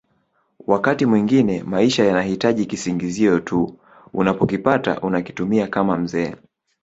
Wakati mwingine maisha yanahitaji kisingizio tu unapokipata unakitumia kama mzee